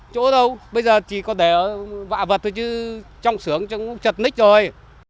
chỗ đâu bây giờ chỉ có để vạ vật thôi chứ trong sướng trong trật ních rồi